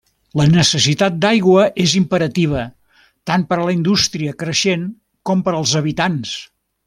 La necessitat d'aigua és imperativa, tant per a la indústria creixent com per als habitants.